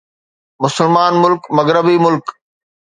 مسلمان ملڪ مغربي ملڪ